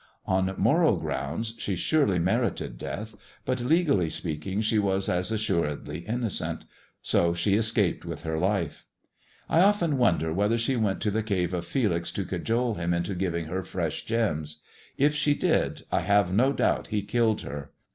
On moral grounds she surely merited death, but legally speaking she was as assuredly innocent. So she escaped with her life. I often wonder whether she went to the cave of Felix to cajole him into giving her fresh gems. K she did I have no doubt he killed her.